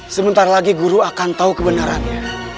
sebentar lagi guru akan tahu kebenarannya